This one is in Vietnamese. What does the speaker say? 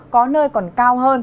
có nơi còn cao hơn